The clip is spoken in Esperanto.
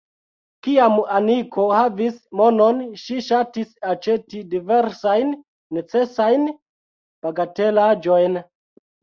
Kiam Aniko havis monon ŝi ŝatis aĉeti diversajn nenecesajn bagatelaĵojn.